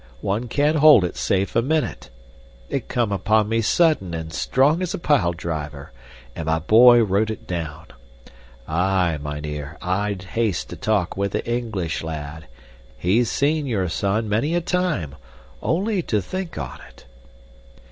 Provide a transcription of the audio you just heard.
One can't hold it safe a minute. It come upon me sudden and strong as a pile driver, and my boy writ it down. Aye, mynheer, I'd haste to talk with the English lad. He's seen your son many a time only to think on't!"